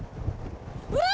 うわ！